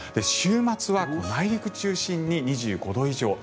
週末は内陸を中心に２５度以上。